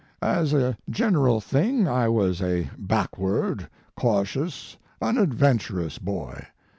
As a general thing I was a backward, cautious unadventurous boy.